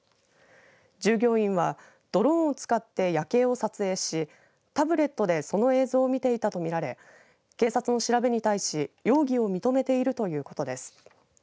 従業員はドローンを使って夜景を撮影しタブレットでその映像を見ていたと見られ警察の調べに対し容疑を認めているということです。